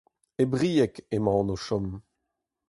E Brieg emaon o chom.